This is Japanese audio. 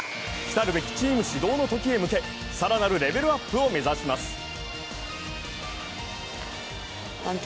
来たるべきチーム始動の時へ向け更なるレベルアップを目指します。